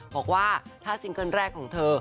บอกว่าถ้าซิงเกิ้ลแรกของเธอ